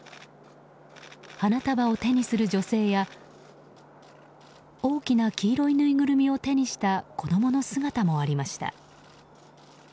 花束を手にする女性や大きな黄色いぬいぐるみを手にした子供の姿もありました。